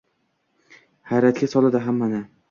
hayratga soladi hammani